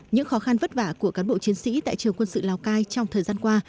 những khó khăn vất vả của cán bộ chiến sĩ tại trường quân sự lào cai trong thời gian qua